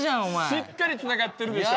しっかりつながってるでしょ。